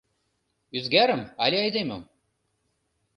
Ӱзгарым але айдемым?